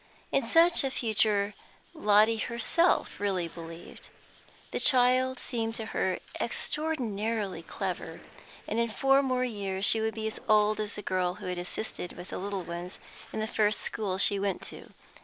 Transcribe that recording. In such a future Lotty herself really believed. The child seemed to her extraordinarily clever, and in four more years she would be as old as a girl who had assisted with the little ones in the first school she went to.